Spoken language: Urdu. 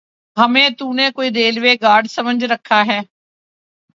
ہمیں تو نے کوئی ریلوے گارڈ سمجھ رکھا ہے؟